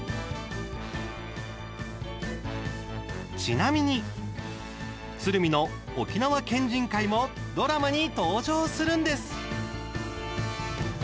ちなみに鶴見の沖縄県人会もドラマに登場するんです。